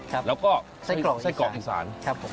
แล้วก็สวยแสงกรอกอีสาน